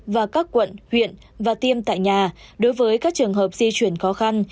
và các quận huyện và tiêm tại nhà đối với các trường hợp di chuyển khó khăn